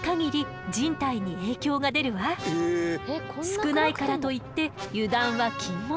少ないからといって油断は禁物。